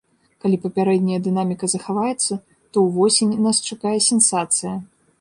Калі папярэдняя дынаміка захаваецца, то ўвосень нас чакае сенсацыя.